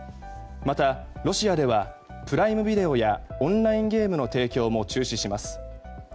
また、ロシアではプライムビデオやオンラインゲームの提供も中止します。